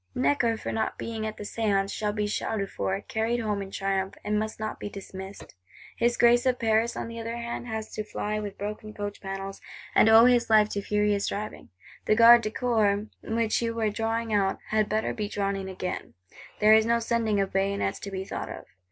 Necker, for not being at the Séance, shall be shouted for, carried home in triumph; and must not be dismissed. His Grace of Paris, on the other hand, has to fly with broken coach panels, and owe his life to furious driving. The Gardes du Corps (Body Guards), which you were drawing out, had better be drawn in again. There is no sending of bayonets to be thought of.